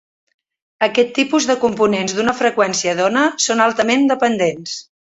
Aquest tipus de components d'una freqüència d'ona són altament dependents.